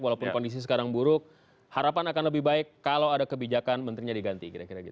kalau kondisi sekarang buruk harapan akan lebih baik kalau ada kebijakan menterinya diganti